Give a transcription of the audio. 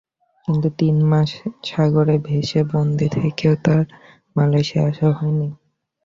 কিন্তু তিন মাস সাগরে ভেসে বন্দী থেকেও তার মালয়েশিয়া আসা হয়নি।